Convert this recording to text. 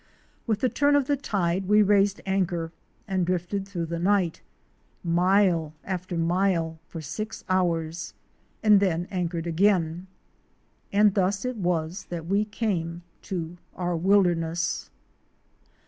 With the turn of the tide we raised anchor and drifted through the night — mile after mile for six hours, and then anchored again. And thus it was that we came to our wilderness.